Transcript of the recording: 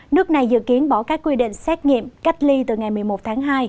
nước này dự kiến bỏ các quy định xét nghiệm cách ly từ ngày một mươi một tháng hai